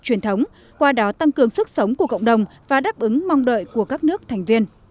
truyền thống qua đó tăng cường sức sống của cộng đồng và đáp ứng mong đợi của các nước thành viên